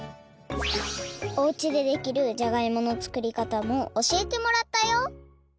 おうちでできるじゃがいもの作りかたもおしえてもらったよ